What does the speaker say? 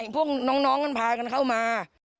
พวกน้องกันพากันเข้ามา